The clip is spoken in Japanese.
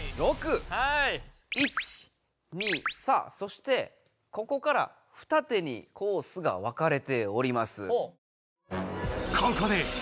１２さあそしてここから二手にコースが分かれております。